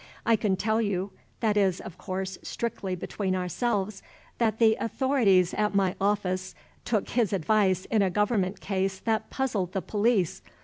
I can tell you (this is, of course, strictly between ourselves) that the authorities at my office took his advice in a Government case that puzzled the police.